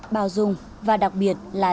bao dung và đặc biệt là